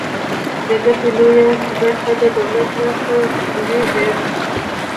د ګټې لویه برخه یې د دولت لاس ته لویږي.